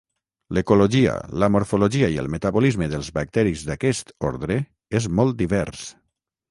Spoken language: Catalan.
L'ecologia, la morfologia i el metabolisme dels bacteris d'aquest ordre és molt divers.